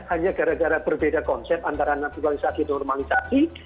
hanya gara gara berbeda konsep antara naturalisasi normalisasi